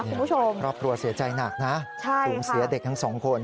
คุณผู้ชมครอบครัวเสียใจหนักนะภูมิเสียเด็กทั้งสองคน